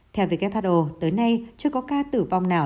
theo who tới nay chưa có ca tử vong nào